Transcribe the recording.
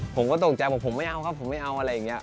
ผมก็ตกใจบอกผมไม่เอาครับผมไม่เอาอะไรอย่างนี้